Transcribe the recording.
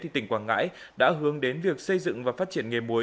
thì tỉnh quảng ngãi đã hướng đến việc xây dựng và phát triển nghề muối